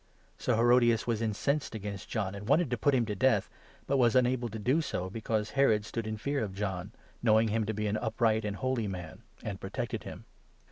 So Herodias was incensed against John, and wanted 19 to put him to death, but was unable to do so, because Herod 20 stood in fear of John, knowing him to be an upright and holy man, and protected him.